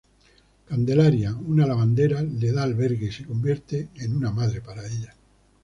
Candelaria, una lavandera, le da albergue y se convierte en una madre para ella.